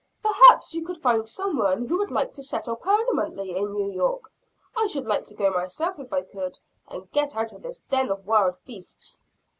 "Perhaps you could find some one who would like to settle permanently in New York. I should like to go myself if I could, and get out of this den of wild beasts."